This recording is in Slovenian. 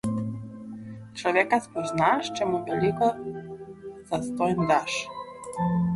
Človeka spoznaš, če mu veliko zastonj daš.